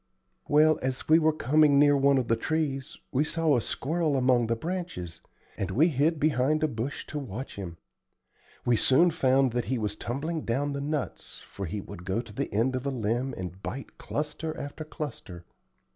"Well, as we were coming near one of the trees we saw a squirrel among the branches, and we hid behind a bush to watch him. We soon found that he was tumbling down the nuts, for he would go to the end of a limb and bite cluster after cluster.